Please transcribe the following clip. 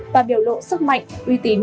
và biểu lộ sức mạnh uy tín